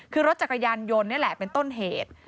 คือรถจักรยานยนต์นี่แหละเป็นต้นเหตุ